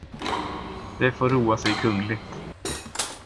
De får roa sig kungligt.